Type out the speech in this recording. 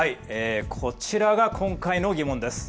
こちらが今回の疑問です。